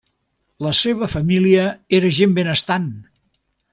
La seva família era gent benestant.